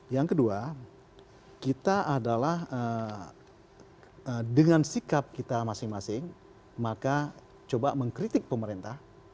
yang kedua kita adalah dengan sikap kita masing masing maka coba mengkritik pemerintah